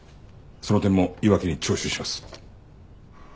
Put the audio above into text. その点も岩城に聴取します。